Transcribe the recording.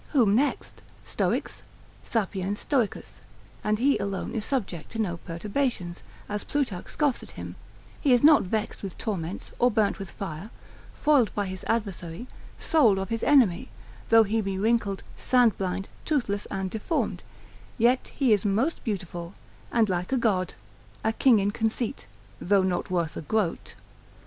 Whom next? Stoics? Sapiens Stoicus, and he alone is subject to no perturbations, as Plutarch scoffs at him, he is not vexed with torments, or burnt with fire, foiled by his adversary, sold of his enemy: though he be wrinkled, sand blind, toothless, and deformed; yet he is most beautiful, and like a god, a king in conceit, though not worth a groat.